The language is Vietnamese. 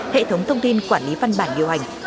hệ thống thông tin quản lý văn bản điều hành